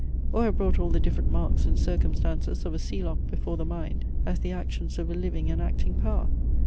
or have brought all the different marks and circumstances of a sealoch before the mind, as the actions of a living and acting power?